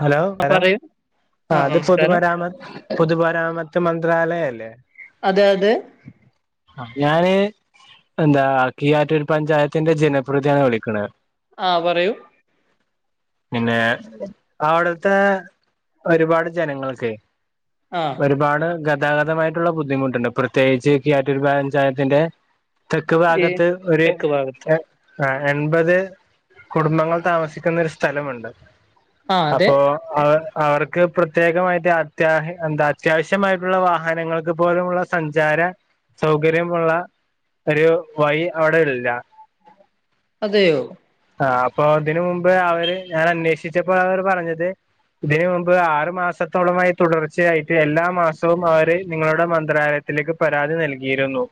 ഹലോം ആ പറയൂ ആ ആരാണ് നമസ്കാരം പൊതുുമരാമത്ത് പൊതുുമരാമത്ത് മൻ [unintelligible] മന്ത്രാലയ അല്ലേ അതെ അതെ ഞാന് എന്താ കിയിയറ്റരു പഞ്ചായത്തിന്റെ ജനപ്രതിയാണ് വിളിക്കണ ആഹ പറയൂ പിന്നെ അവിടത്തെ ഒരുപാട് ജനങ്ങൾക്ക് ആ ഒരുപാട് ഗ ഗതാഗതമായിട്ടുള്ള ബുദ്ധിമുട്ടുണ്ട് പ്രത്യേകിച്ച് കിയറ്റൂരി പഞ്ചായത്തിന്റെ തെക്ക് ഈ ഭാഗത്ത് ഒര് തെക്ക് ഭാഗത്തും എ ആ എൺപത് കുടുംബങ്ങൾ താമസിക്കുന്ന ഒരു സ്ഥലമുണ്ട് ആ അതെ അപ്പോൾ അവ അവർക്ക് പ്രത്യേകമായിട്ട് അത്യാ എന്താ അത്യാവശ്യമായിട്ടുള്ള വാഹനങ്ങൾക്ക് പോലുമുള്ള സഞ്ചാര സൗകര്യമുള്ള ഒരു വഴി അവിടെ ഇല്ല അതെയോ ആ അപ്പൊ അതിനന് മുമ്പ് അവര് ഞാൻ അന്വേഷിച്ചപ്പോ അവര് പറഞ്ഞത് ഇതിന് മുമ്പ് ആറു മാസത്തോളമായി തുടർച്ചയായിട്ട് എല്ലാ മാസവും അവര് നിങ്ങളുടെ മന്ത്രാലയത് ത്തിലേക്ക് പരാതി നൽകിയിരുന്നു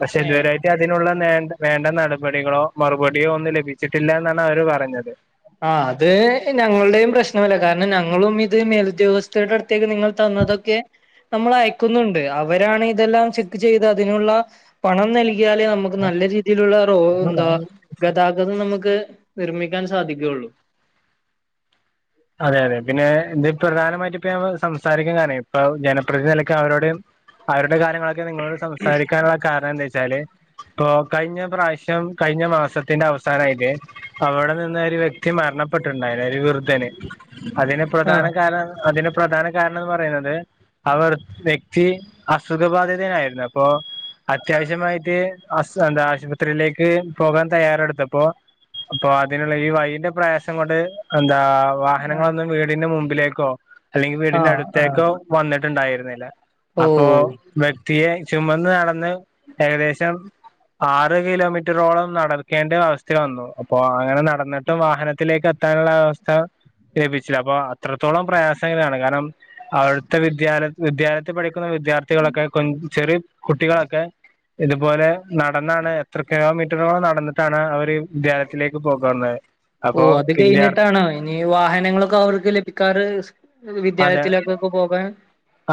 പക്ഷെ ഏ ഇതുവരെയായിട്ട് അതിനുള്ള വേണ്ട വേണ്ട നടപടികളോ മറുപടിയോ ഒന്ന് ലഭി ച്ചിട്ടില്ല എന്നാണ് അവര് പറഞ്ഞത് ആഹ് അത് ഞങ്ങളുടെയും പ്രശ്നമല്ല കാരണം ഞങ്ങളും ഇത് മേലുദ്യോഗസ്ഥരുടെ അടു ത്തേക്ക് നിങ്ങൾ തന്നതൊക്കെ നമ്മൾ അയക്കുന്നുണ്ട് അവരാണ് ഇതെല്ലാം ചെക്ക് ചെയ്ത് അതിനുള്ള പണം നൽകി യാലേ നമുക്ക് നല്ല രീതിയിലുള്ള റോ അല്ല എന്താ ഗതാഗതം നമുക്ക് നിർമിക്കാൻ സാ സാധിക്കുഉള്ളൂ അതെ അതെ പിന്നെ ഇത് പ്രധാനമായിട്ട് ഇപ്പ ഞമ്മ സംസാരിക്കാൻ കാരണെ ഇപ്പ ജനപ്രതിനിധിന്ന നിലക്ക് അവരോട് അവരുടെ കാര്യങ്ങളൊക്കെ നിങ്ങളോട് സംസാരിക്കാനുള്ള കാരണം എന്താ വെച്ചാല് ഇപ്പോ കഴിഞ്ഞ പ്രാവശ്യം കഴിഞ്ഞ മാസത്തിന്റെ അവസാനായില് അവിടെ നിന്ന ഒരു വ്യക്തി മരണപെട്ടിട്ടുണ്ടായിരുന്ന് ഒരു വൃദ്ധന് അതിന് ആ പ്രധാന കാരണം അതിന് പ്രധാന കാരണം എന്ന് പറയുന്നത് അവർ വ്യക്തി അസുഖബാധിതയായിരുന്നു അപ്പോ അത്യാവശ്യമായിട്ട് ആസ് എന്താ ആശുപത്രിയിലേക്ക് പോകാൻ തയ്യാറെടുത്തപ്പോ അപ്പൊ അതിനുള്ള ഈ വയിന്റെ പ്രയാസം കൊണ്ട് എന്താ വാഹനങ്ങളൊന്നും വീടിന്റെ മുമ്പിലേക്കോ അല്ലെങ്കി ആ വീടിന്റെ ആ അടുത്തേക്കോ വന്നിട്ടുണ്ടായിരുന്നില്ല അപ്പോ ഓ വ്യക്തിയെ ചുമന്ന് നടന്ന് ഏകദേശം ആറ് കിലോമീറ്ററോളം നടക്കേണ്ട അവസ്ഥ വന്നു അപ്പൊ അങ്ങനെ നട നടന്നിട്ടും വാഹനത്തിലേക്ക് എത്താനുള്ള അവസ്ഥ ലഭിച്ചില്ല അപ്പൊ അത്രത്തോളം പ്രയാസങ്ങളാണ് കാരണം അവിടുത്തെ വിദ്യാല വിദ്യാലയത്തി പഠിക്ക ക്കുന്ന വിദ്യാർത്ഥികളൊക്കെ കൊഞ് ചെറിയ കുട്ടികളൊക്കെ ഇതുപോലെ നടന്നാണ് എത്ര കിലോമീറ്ററോളം നടന്നിട്ടാണ് അവര് വിദ്യാലയത്തിലേക്ക് പോകുന്നത് അപ്പൊ ഓഹ് അത് വിദ്യാർ കഴിഞ്ഞിട്ടാണ ഇനി വാഹനങ്ങളൊക്കെ അവർക്ക് ലഭിക്കാറ് അതെ വിദ്യാലയത്തിലേക്കൊക്ക പോകാൻ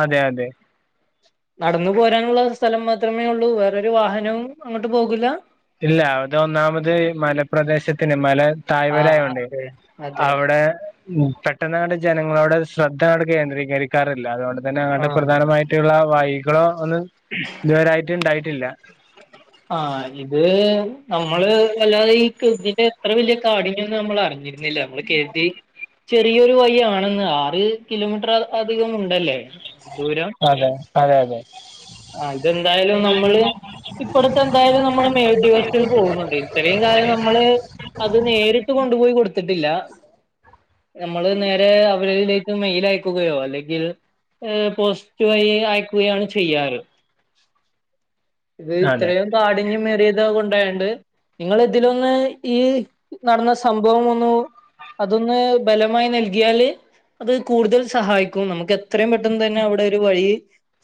അതെ അതെ നടന്നു പോരാനുള്ള സ്ഥലം മാത്രമേ ഒള്ളൂ വേറൊരു വാഹനവും അങ്ങോട്ട് പോകില്ല ഇല്ല അത് ഒന്നാമത് മലപ്രദേശത്തിന് മല ആഹ് തായ്വരയായകൊണ്ടെ അതെ അതെ അവിടെ ഉം പെട്ടന്നങ്ങട്ട് ജനങ്ങളോട് ശ്രദ്ധ അവിടെ കേന്ദ്രീകരിക്കാറില്ല അതുകൊണ്ട്തന്നെ അങ്ങത്തെ ആഹ് പ്രധാനമായിട്ടുള്ള വൈകളോ ഒന്നും ഇതുവരായിട്ട് ഇണ്ടായിട്ടില്ല ആഹ് ഇത് നമ്മള് അല്ലാതെ ഈ കിർബിന്റെ എത്ര വല്യ കാഠിന്യംന്ന് നമ്മൾ അറിഞ്ഞി ഞ്ഞില്ല നമ്മള് കേട്ടി ചേ ചറിയൊരു വയി ആണെങ്ങ് ആറ് കിലോമീറ്റർ അദി അധികം ഉണ്ടല്ലേ അതെ അതെ അതെ ആ ഇതെന്തായാലും നമ്മള് ഇപ്പറത്തെന്തായാലും നമ്മള മേലുദ്യോഗസ്ഥത്തര് പോകുന്നുണ്ട് ഇത്രയും കാലം നമ്മള് അത് നേരിട്ട് കൊണ്ടുപോയി കൊടുത്തിട്ടില്ല നമ്മള് നേരെ അവരിലേ ഇത് മെയിൽ അയക്കുകയോ അല്ലെങ്കിൽ ഏഹ് പോസ്റ്റ് വഴി അയക്കുകയാണ് ചെയ്യാറ് ഇത് അതെ ഇത്രയും കാടിന്യം മേറിയത് കൊണ് പറയാണ്ട് നിങ്ങള് ഇതിലൊന്ന് ഈ നടന്ന സംഭവം ഒന്ന് അതൊന്ന് ബലമായി നൽകിയാല് അത് കൂടുതൽ സഹായിക്കും നമുക്ക് എത്രയും പെട്ടെന്ന് തന്നെ അവിടെ ഒരു വഴി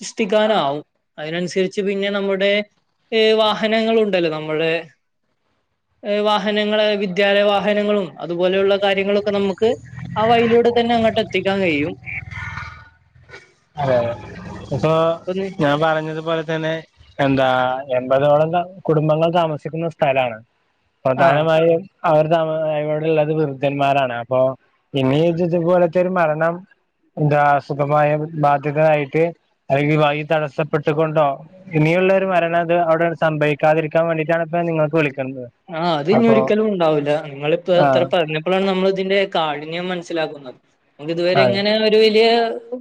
സൃഷ്ടിക്കാനാവും അതിനനുസരിച്ച് പിന്നെ നമ്മുടെ ഏഹ് വാഹനങ്ങളുണ്ടല്ലോ നമ്മുടെ [inaudible] ഏഹ് വാഹനങ്ങള് വിദ്യാലയ വാഹനങ്ങളും അതുപോലെയുള്ള കാര്യങ്ങളൊക്കെ നമുക്ക് ആ വയിലൂടെ തന്നെ അങ്ങോട്ട് എത്തിക്കാൻ കഴിയും അതെ അതെ ഇപ്പൊ ഒന്ന് ഞാൻ പറഞ്ഞതുപോലെ തന്നെ എന്താ എമ്പതോളം കാ കുടുംബങ്ങൾ താമസിക്കുന്ന സ്ഥലാണ് ആഹ് പ്രധാനമായ അവർ ത അോടുള്ളത് വൃദ്ധന്മാരാണ് അപ്പൊ ഇനി ഇ ഇതുപോലത്തെ ഒരു മരണം എന്താസുഖമായ ബാധ്യതരായിട്ട് അല്ലെങ്കിൽ വഴി തടസ്സപ്പെട്ടുക കൊണ്ടോ ഇനിയുള്ള ഒരു മരണം അത് അവിടെ ബൈക്കാതിരിക്കാൻ വേണ്ടിട്ടാണ് ഇപ്പ നിങ്ങക്ക് വിളുന്നത് ആ അത് ഇനി ഒരിക്കലും ഉണ്ടാവില്ല നിങ്ങളിപ്പോ ഇത്ര ആഹ് പറഞ്ഞപ്പോഴാണ് നമ്മള ഇതിന്റെ കാഠിന്യം മനസ്സിലാക്കുന്നത് നക്ക് ഇതുവരെ അതെ ഇങ്ങനെ ഒരു വലിയ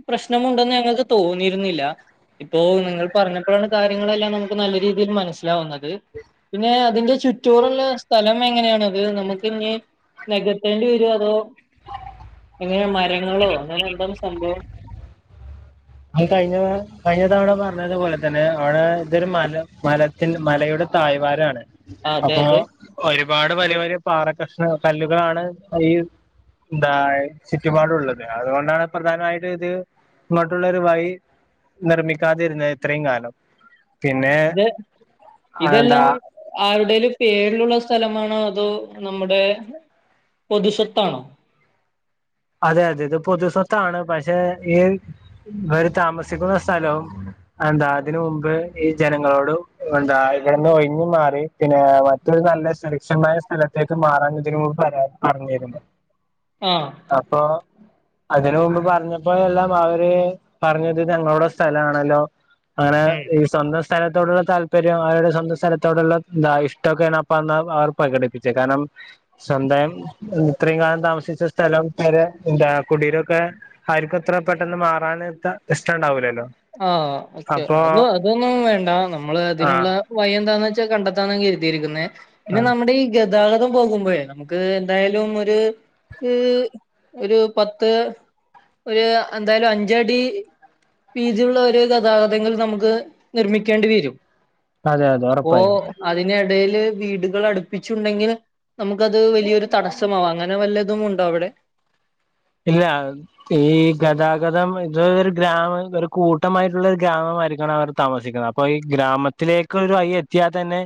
പ്രശ്നമുണ്ടെന്ന് ഞങ്ങൾക്ക് തോന്നിയിരുന്നില്ല ഇപ്പോ നിങ്ങൾ പറഞ്ഞപ്പോഴാണ് കാര്യങ്ങളെല്ലാം നമുക്ക് ന രീതിൽ മനസിലാവ പിന്നെ അതി മറ്റൂറള്ള സ്ഥലം എങ്ങനെയണത് നമുക്ക് ഇനി നികത്തേണ്ടി വരും അതോ എങ്ങനെ മരങ്ങളോ അങ്ങനെ എന്ത സംഭവം അത് കഴിഞ്ഞ കഴിഞ്ഞ തവണ പറഞ്ഞത് പോലെ തന്നെ അവിടെ ഇതൊരു മല മലത്തിന് മലയുടെ തായ്വാരാണ് ആ അതെ അപ്പൊ അതെ ഒരുപാട് വലിയ വലിയ പാറ കഷണ കല്ലുകളാണ് ഈ എന്താ ചുറ്റുപാടുള്ളത് അതുകൊണ്ടാണ് പ്രധാനമായിട്ട് ഇത് രു വഴി നിർമ്മിക്കാതിരുന്ന ഇത്രയും കാലം പിന്നെ ഇത് എന്താ ഇതെല്ലാം ആരുടെേൽ പേരിലുള്ള സ്ഥലമാണോ അതോ നമ്മുടെ പൊതു സ്വത്താണോ അതെ അതെ ഇത് പൊതു സ്വത്താണ് പക്ഷെ ഈ വര് താമസിക്കുന്ന സ്ഥലവും എന്താ അതിനന് മുമ്പ് ഈ ജനങ്ങളോട് എന്താ ഇവിടുന്ന് ഒഴിഞ്ഞു മാറി പിന്നെ മറ്റ നല്ല സുരക്ഷമായ സ്ഥലത്തേക്ക് മാറാൻ ഇതിനരാ പറഞ്ഞരുന്നു ആഹ അപ്പൊ അതിന് മുമ്പ് പറഞ്ഞപ്പോഴെല്ലാം അവര് പറഞ്ഞത് ഞങ്ങളുടെ സ്ഥലാണല്ലോ അങ്ങനെ ഉം ഈ സ്വന്തം സ് സ്ഥലത്തോടുള്ള താല്പര്യം അവരുടെ സ്വന്തം സ്ഥലത്തോടുള്ള എന്താ ഇഷ്ടൊക്കെ അപ്പന്ന് അവർ പ്രകടിപ്പിച്ചത് കാരണം സ്വന്തം ഇത്രയും കാലം താമസിച്ച സ്ഥലം [unintelligible] എന്താ കുടീരൊക്കെ ആർക്കും ഇത്ര പെട്ടെന്ന് മാറാന് ത പ്രശ്നം ഇണ്ടാവൂലല്ലോ ആഹ് ഓക്കെ അത് അതൊന്നും വേണ്ട നമ്മള് ആ അതിനുള്ള വഴി എന്താന്ന് വെ കണ്ടെത്താൻ കരുതിയിരിക്കുന്നെ പിന്നെ നമ്മടെ ഈ ഗതാഗതം പോകുമ്പയെ നമുക്ക് എന്തായാലും ഒര് ഹ് ഒരു പത്ത് ഒര് എന്തായാലും അഞ്ചടി പീജുള്ള ഒര്ത് അതാ തങ്ങൾ നമുക്ക് നിർമ്മിക്കേണ്ടി വരും അതെ അതെ അപ്പോ ഉറപ്പായും അതിനിടയില് വീട്കള് അടുപ്പിച്ചുണ്ടെങ്കില് നമുക്കത് വലിയൊരു തടസ്സമാവാ അങ്ങനെ വല്ലതും ഉണ്ടോ അവിടെ ഇല്ല ഈ ഗദാഗ ഗതം ഇത് ഒരു ഗ്രാമം ഒരു കൂട്ടമായിട്ടുള്ള ഒരു ഗ്രാമ മായിരിക്കണം അവർ താമസിക്ന്നെ അപ്പൊ ഈ ഗ്രാമ ട്ട്ലെക്ക് ഒരു വഴി എത്തിയാ തന്നെ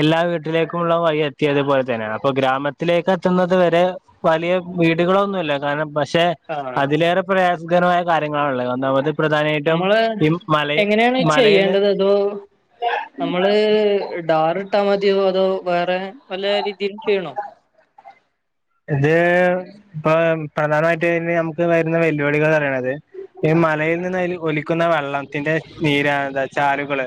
എല്ലാ വീട്ടിലേക്കുള്ള വഴി എത്തിയത് പോലെ തന്നെയാണ് അപ്പ ഗ്രാമത്തില് ലെക്ക് എത്തുന്നത് വരെ വലിയ വീടുകളൊന്നുല്ല കാരണം പക്ഷെ ആഹ് അതിലേറെ പ്രയാസകരമായ കാര്യങ്ങളാ ഇള്ളെ ഒന്നാമത് പ്രധാനമായിട്ടും നമ്മള് ഈ മല എങ്ങനെണ് മലയിൽ ചെയ്യേണ്ടത് അതോ നമ്മള് ഡാറ് ഇട്ടാ മദയോ ഓ വേറെ നല്ല രീതിൽ ചെയ്യണോ ഇത് ഇപ്പം പ്രധാനമായിട്ട് നമുക്ക് വരുന്ന വെല്ലുവിളികള് ന്ന് പറയ്ണത് ഈ മലയിൽ നിന്ന് അയ്ല് ഒലി ക്ക്ന്ന വെള്ളത്തിന്റെ നീരാ ചാലുകള്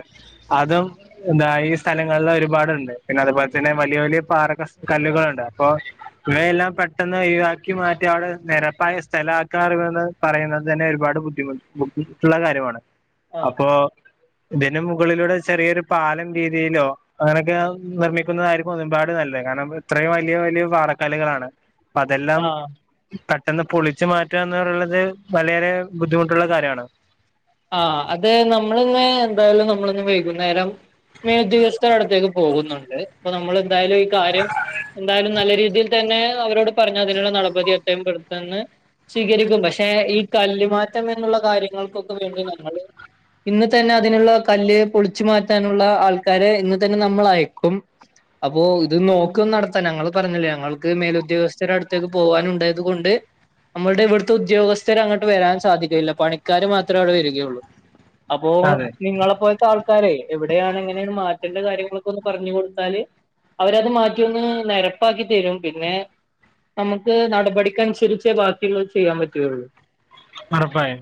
അതും എന്താ ഈ സ്ഥലങ്ങള്ള് ഒരുപാ പാട്ണ്ട് പിന്നെ അതു പോലെ തന്നെ വല്ല്യാ വല്ല്യാ പാറ കഷ് കല്ല്കള്ണ്ട് അപ്പോ ഇവയെല്ലാം പെട്ടെന്ന് ഒഴിവാക്കി മാറ്റി അവിടെ നിരപ്പായ സ്ഥല ആക്കാറിണത് പറയുന്നത് തന്നെ ഒരുപാട് ബുദ്ധിമു ബുദ്ധിമുട്ടുള്ള കാര്യമാണ് ആഹ് അപ്പൊ ഇതിന് മുകളിലൂടെ ചെറിയൊരു പാലം രീതിയിലോ അങ്ങനൊക്കെ നിർമ്മിക്കുന്നതായിരിക്കും ഒന്നും പാടെ നല്ല കാരണം ഇത്രയും വലിയ വലിയ പാറക്കാല്ലുകളാണ് പ്പ അതെല്ലാം പെട്ടന്ന് പൊളിച്ചു മറ്റുക എന്നു പറയുന്നത് വളരെ ബുദ്ധിമുട്ടുള്ള കാര്യമാണ് ആ അത് നമ്മൾ ഇന്ന് എന്തായാലും നമ്മൾ ഇന്ന് വൈകുന്നേരം [unintelligible] അടുത്തേക്ക് പോകുന്നുണ്ട് ഇപ്പൊ നമ്മൾ എന്തായാലും ഈ കാര്യം എന്തായാലും നല്ല രീതിയിൽ തന്നെ അവരോട് പറഞ്ഞ് അതിനുള്ള നടപടി എത്രേം പെട്ടന്ന് സ്വീകരിക്കും പക്ഷെ ഈ കല്ല് മാറ്റം എന്നുള്ള കാര്യങ്ങൾക്കൊക്കെ വേണ്ടി ഞങ്ങള് ഇന്ന് തന്നെ അതിനുള്ള കല്ല് പൊളിച്ചു മാറ്റാനുള്ള ആൾകാരെ ഇന്ന് തന്നെ നമ്മൾ ആയിക്കും അപ്പൊ ഇത് നോക്കും നടത്താൻ ഞങ്ങള് പറഞ്ഞില്ലേ ഞങ്ങൾക്ക് മേൽ ഉദ്യോഗസ്ഥരുടെ അടുത്തേക്ക് പോകാനുണ്ടായത് കൊണ്ട് നമ്മളുടെ ഇവിടുത്തെ ഉദ്യോഗസ്ഥർ അങ്ങോട്ട് വരാൻ സാധിക ഇല്ല പണിക്കാര് മാ ത്രം അവിടെ വരികയുള്ളൂ അപ്പോ അതെ നിങ്ങളെ പോലത്തെ ആൾക്കാരെ എവി ടെയാണ് ഇങ്ങനെയാണ് മാറ്റേണ്ട കാര്യങ്ങളൊക്കെ ഒന്ന് പറഞ്ഞു കൊടുത്താല് അവരത് മാറ്റി ഒന്ന് നെരപ്പാക്കിത്തരും പിന്നെ നമുക്ക് നടപടികനുസരിച്ചേ ബാക്കി ഉള്ളത് ചെയ്യാൻ പറ്റുക ഒള്ളു ഒറപ്പായും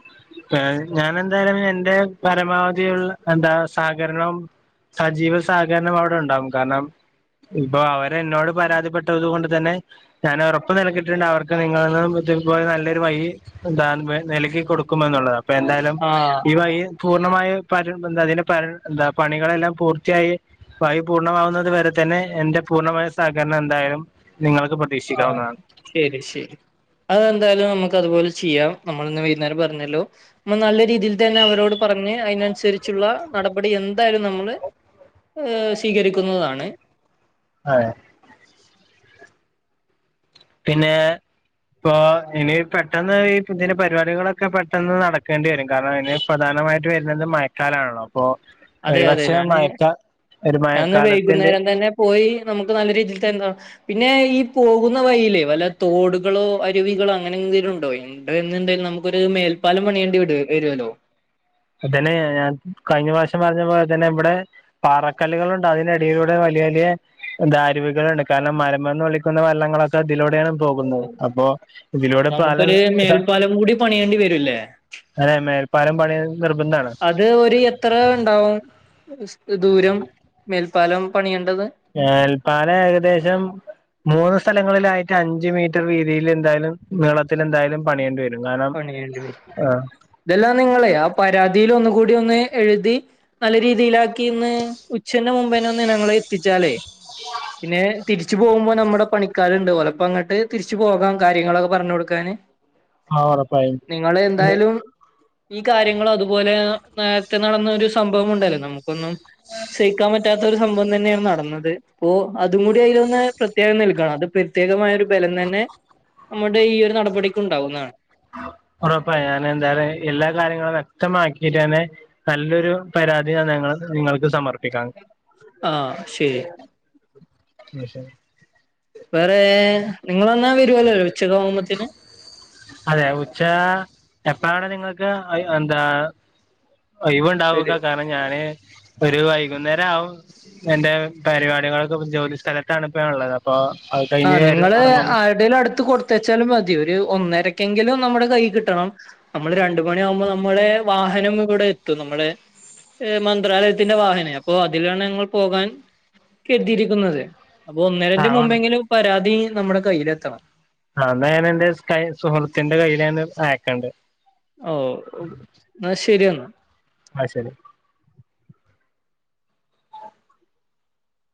ഏഹ് ഞാൻ എന്തായാലും എന്റെ പരമാവധിയുള്ള എന്താ സഹകരണം സജീവ സഹകരണം അവിടെ ഉണ്ടാവും കാരണം ഇപ്പൊ അവര് എന്നോട് പരാതിപ്പെട്ടത് കൊണ്ട് തന്നെ ഞാൻ ഉറപ്പ് നിൽക്കിട്ടുണ്ട് അവർക്ക് നിങ്ങടെ ഇതുപോലെ നല്ലൊരു വഴി എന്താ നിൽകി കൊടുക്കെമെന്നുള്ളത് അപ്പൊ എന്തായാലും ആഹ് ഈ വഴി പൂർണ്ണമായും പരം എന്താ അതിന് പരം എന്താ പണികളെല്ലാം പൂർത്തിയായി വഴി പൂർണ്ണമാവുന്നത് വരെ തന്നെ എന്റെ പൂർണ്ണമായ സഹകരണം എന്തായാലും നിങ്ങൾക്ക് ആ പ്രതീക്ഷിക്കാവുന്നതാണ്. ശരി ശരി അതെന്തായാലും നമുക്ക് അതുപോലെ ചെയ്യാം നമ്മള വരുന്ന പറഞ്ഞല്ലോ നല്ല രീതിയിൽ തന്നെ അവരോട് പറഞ്ഞ് അതിനനുസരിച്ച് ഉള്ള നടപടി എന്തായാലും നമ്മള് ഏഹ സ്വീകരിക്കുന്നതാണ് ആ പിന്നെ ഇപ്പൊ ഇനി പെട്ടെന്ന് ഈ ഇതിന്റെ പരിപാടികളൊക്കെ പെട്ടെന്ന് നടക്കേണ്ടി വരും കാരണം ഇ പ്രധാന പ്ര മായിട്ട് വരുന്നത് മയക്കാലാണല്ലോ അപ്പൊ ഒരുപക്ഷെ മയക്കാൽ ഞന്ന് വൈകുന്നേരം തന്നെ പോയി നമുക്ക് നല്ല രീതിൽ എന്താ പിന്നെ ഈ പോകുന്ന വൽെ വല്ല തോടുകളോ അരുവികളോ അങ്ങനെ എന്തങ്കിലും ഉണ്ടോ എണ്ട നമുക്കൊരു മേൽപ്പാല മണിയേണ്ട വി വരുമല്ലോ അതന്നെ ഞാൻ കഴിഞ്ഞ വഷം പറഞ്ഞ പോലെ തന്നെ ഇവിടെ പാറക്കല്ലുകളൾുണ്ട് അതിന്റെടിയിലൂടെ വല വലിയ ദാരുവികൾുണ്ട് കാരണം മരമന്ന് ഒളിക്കുന്ന വെള്ളങ്ങളൊക്കെ ഇതിലൂടെയാണ് പോകുന്നത് അപ്പൊ ഇതിലൂടെ പാല നമുക്കൊരു മേൽപ്പാലം കൂടി പണിയേണ്ടി വരൂല്ലേ അതെ മേൽപ്പാലം പണി നിർബന്ധമാണ് അത് ഒരു എത്ര ഉണ്ടാവും ദൂരം മേൽപ്പാലം പണിയുണ്ട ഏൽപ്പാല ഏകദേശം മൂന്ന് സ്ഥലങ്ങളിലായിട്ട് അഞ്ച് മീറ്റർ വീതിയിൽ എന്തായാലും നീളത്തിൽ എന്തായാലും പണിയേണ്ടി വരും കാരണം ണ ആഹ് ഇതെല്ലാം നിങ്ങളെ ആ പരാതി രൽ ഒന്ന കൂടി ഒന്ന് എഴുതി നല്ല രീതിയിലാക്കി ന്ന് ഉച്ചന്റെ മുമ്പേനെ ഒന്ന് ഞങ്ങള് എത്തിച്ചാലേ പിന്നെ തിരിച്ചു പോകുമ്പോ നമ്മുടെ പണിക്കാരു ലപ്പോ അങ്ങട്ട് തിരിച്ചു പോകാം കാര്യങ്ങളൊക്കെ പറഞ്ഞു കൊടുക്കാന് ആഹ് ഉറപ്പായും നിങ്ങ എന്തായാലും ഈ കാര്യങ്ങൾ അതുപോലെ നേരത്തെ നടന്ന ഒരു സംഭവം ഉണ്ടല്ലോ നമുക്കൊന്നും ശ്രഹിക്കാൻ പറ്റ പറ്റാത്ത ഒരു സംഭവം തന്നെയാണ് നടന്നത് അപ്പോൊ അതും കൂടി അതിൽൊന്ന് പ്രത്യേകം നിൽക്കണം അത് പ്രത്യേകമായ ഒരു ബ തന്നെ നമ്മുടെ ഈ ഒരു നടപടിക്ക് ഉണ്ടാവുന്നതാണ് ഉറപ്പ ഞാൻ എന്താ എല്ലാ കാര്യങ്ങളും വ്യക്തമാക്കിട്ട് തന്നെ നല്ലൊരു പരാതി ഞങ്ങൾ നിങ്ങൾക്ക് സമർപ്പിക്ക ആഹ ശരി [unintelligible] വേറെ നിങ്ങളന്നാ വരുവല്ലേ ഉച്ചക്ക് ആകുമ്പോത്തന് അതെ ഉച്ച എപ്പഴാണ് നിങ്ങക്ക് എന്താ ഒയ്വ് ഉണ്ടാവ്ക ഒരു കാരണം ഞാന് ഒരു വൈകുന്നേരം ആവും എന്റെ പരിപാടികളൊക്ക പ്പ ജോലി സ്ഥലത്താണ് ഇപ്പോ ഉള്ളത് അപ്പൊ അത് ആഹ കഴിഞ്ഞ് നിങ്ങള് ഇറങ്ങുമ്പോ ആരുടേയും അടുത്ത് കൊടുത്തയച്ചാലും മതി ഒരു ഒന്നരക്കെങ്കിലും നമ്മുടെ കൈയി കിട്ടണം നമ്മൾ രണ്ട് മണിയാകുമ്പോൾ നമ്മള് വാഹനം ഇവിടെത്തി എത്തും നമ്മുടെ മന്ത്രാലയത്തിന്റെ വാഹനം അപ്പോ അതിലാണ് ഞങ്ങൾ പോകാൻ കെട്ടിയിരിക്കുന്നത് അപ്പൊ ആ ഒന്നരന്റെ മുമ്പെങ്കിലും പരാതി നമ്മുടെ കയ്യിലെത്തണം ആ എന്നാ ഞാൻ എന്റെ കൈ സുഹൃത്തിന്റെ കയ്യിൽ തന്നെ അയക്കണ്ട് ഓ എന്നാ ശരിയെന്നാ ആഹ് ശരി